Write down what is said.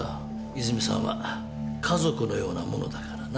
泉さんは家族のようなものだからな。